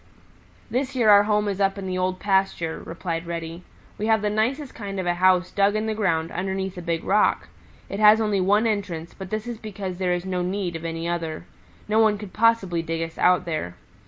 "This year our home is up in the Old Pasture," replied Reddy. "We have the nicest kind of a house dug in the ground underneath a big rock. It has only one entrance, but this is because there is no need of any other. No one could possibly dig us out there.